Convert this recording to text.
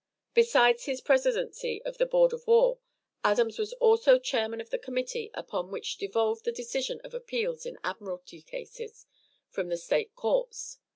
Besides his presidency of the board of war, Adams was also chairman of the committee upon which devolved the decision of appeals in admiralty cases from the State courts.